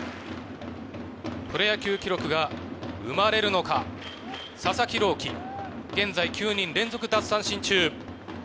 プロ野球記録が生まれるのか、佐々木朗希、現在９人連続奪三振中。